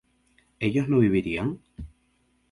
¿ellos no vivirían?